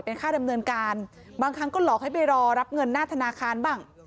ค่าดำเนินการบางครั้งก็หลอกให้ไปรอรับเงินหน้าธนาคารบ้าง